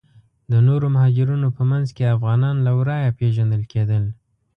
د نورو مهاجرینو په منځ کې افغانان له ورایه پیژندل کیدل.